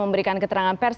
memberikan keterangan pers